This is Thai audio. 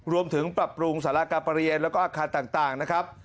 รวมถึงปรับปรุงสารากาประเรียนแล้วก็อาคารต่างนะครับ